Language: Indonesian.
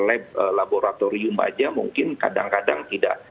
lab laboratorium saja mungkin kadang kadang